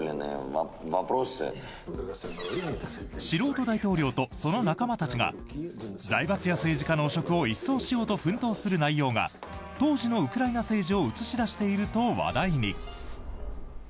素人大統領とその仲間たちが財閥や政治家の汚職を一掃しようと奮闘する内容が当時のウクライナ政治を映し出していると話題に。